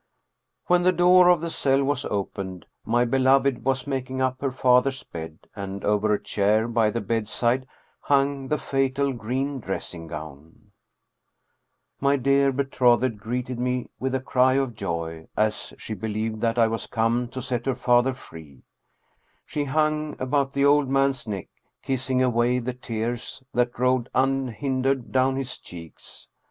When the door of the cell was opened my beloved was making up her father's bed, and over a chair by the bed side hung the fatal green dressing gown. My dear be trothed greeted me with a cry of joy, as she believed that I was come to set her father free. She hung about the old man's neck, kissing away the tears that rolled unhindered down his cheeks.